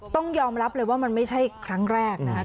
ต้องยอมรับเลยว่ามันไม่ใช่ครั้งแรกนะครับ